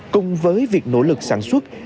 cùng với việc nỗ lực sản xuất